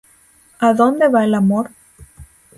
Adónde va el amor?